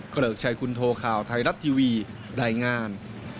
เกริกชัยคุณโทข่าวไทยรัฐทีวีรายงาน